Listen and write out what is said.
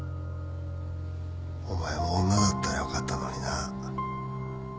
お前も女だったらよかったのにな